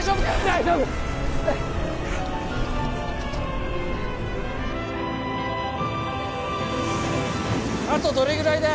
大丈夫あとどれぐらいだ？